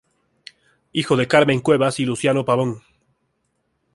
Hijo de Carmen Cuevas y Luciano Pabón.